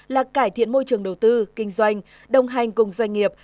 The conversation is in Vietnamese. là cải thiện môi trường đầu tư kinh doanh đồng hành cùng doanh nghiệp